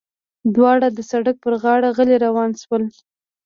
دواړه د سړک پر غاړه غلي روان شول.